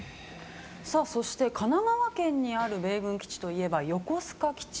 そして神奈川県にある米軍基地といえば横須賀基地。